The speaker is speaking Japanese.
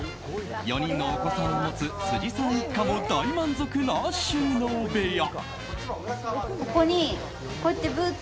４人のお子さんを持つ辻さん一家も大満足な収納部屋。